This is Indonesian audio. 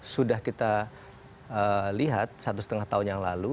sudah kita lihat satu setengah tahun yang lalu